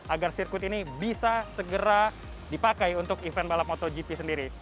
agar sirkuit ini bisa segera dipakai untuk event balap motogp sendiri